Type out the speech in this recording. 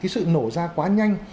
sự nổ ra quá nhanh